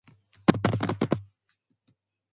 At Gaines's trial, Cates is on the witness stand.